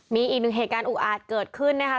มีอีกหนึ่งเหตุการณ์อุกอาจเกิดขึ้นนะคะ